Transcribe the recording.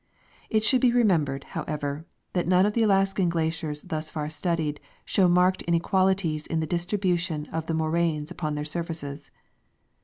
It should be remembered, however, that none of the Alaskan glaciers thus far studied show marked inequalities in the distribution of the moraines upon their surfaces.